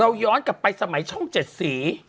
เราย้อนกลับไปสมัยช่องเจ็ดสี